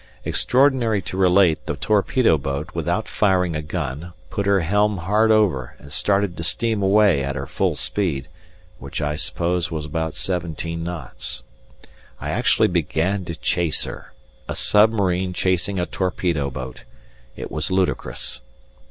Extraordinary to relate, the torpedo boat, without firing a gun, put her helm hard over, and started to steam away at her full speed, which I suppose was about seventeen knots. I actually began to chase her a submarine chasing a torpedo boat! It was ludicrous.